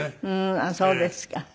あっそうですか。